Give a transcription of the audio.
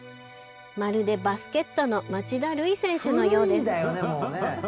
まるでバスケットの町田瑠唯さんのようです